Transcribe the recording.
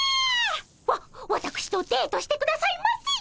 わわたくしとデートしてくださいませ！